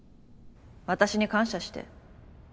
私に感謝して。